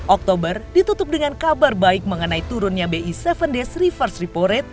oktober ditutup dengan kabar baik mengenai turunnya bi tujuh days reverse repo rate